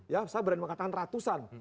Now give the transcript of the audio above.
ya saya berani mengatakan ratusan